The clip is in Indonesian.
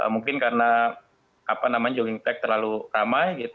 mungkin karena jogging track terlalu ramai